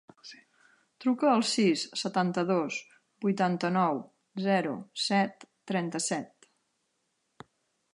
Truca al sis, setanta-dos, vuitanta-nou, zero, set, trenta-set.